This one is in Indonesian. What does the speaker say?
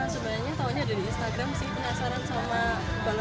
sebenarnya taunya ada di instagram sih penasaran sama balap